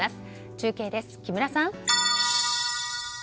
中継です、木村さん。